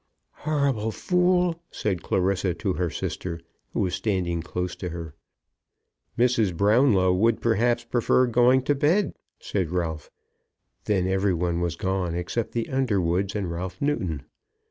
"Horrible fool!" said Clarissa to her sister, who was standing close to her. "Mrs. Brownlow would, perhaps, prefer going to bed," said Ralph. Then every one was gone except the Underwoods and Ralph Newton.